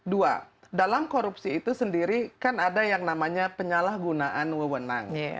dua dalam korupsi itu sendiri kan ada yang namanya penyalahgunaan wewenang